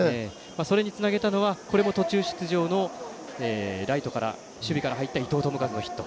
それにつなげたのが途中出場のライトから守備から入った伊藤智一のヒット。